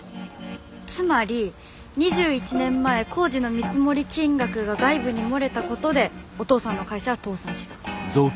つまり２１年前工事の見積もり金額が外部に漏れたことでお父さんの会社は倒産した。